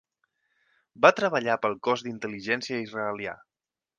Va treballar pel cos d'intel·ligència israelià.